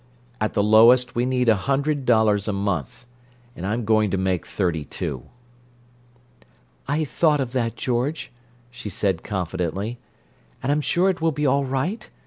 "At the lowest, we need a hundred dollars a month—and I'm going to make thirty two." "I thought of that, George," she said confidently, "and I'm sure it will be all right.